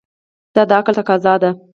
دا د عقل تقاضا ده.